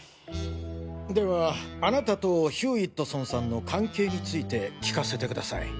ではあなたとヒューイットソンさんの関係について聞かせてください。